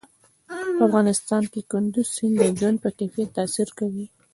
په افغانستان کې کندز سیند د ژوند په کیفیت تاثیر کوي.